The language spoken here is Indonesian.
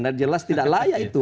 dan jelas tidak layak itu